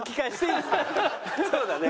そうだね。